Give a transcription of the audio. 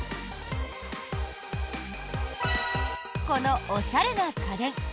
このおしゃれな家電